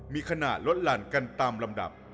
มีขณะลดหลั่นกันตามลำดับ